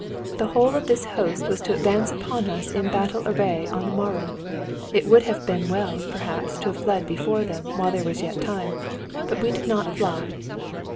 The whole of this host was to advance upon us in battle array on the morrow. It would have been well, perhaps, to have fled before them while there was yet time. But we did not fly."